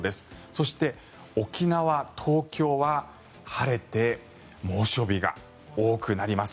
そして、沖縄、東京は晴れて猛暑日が多くなります。